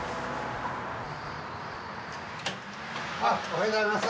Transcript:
おはようございます。